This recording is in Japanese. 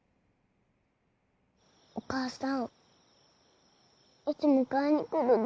お母さんいつ迎えに来るの？